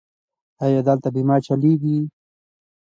ایا دلته بیمه چلیږي؟